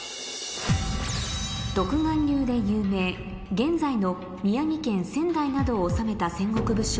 独眼竜で有名現在の宮城県仙台などを治めた戦国武将